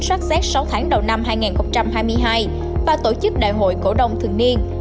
sát xét sáu tháng đầu năm hai nghìn hai mươi hai và tổ chức đại hội cổ đông thường niên